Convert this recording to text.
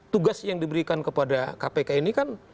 tugas yang diberikan kepada kpk ini kan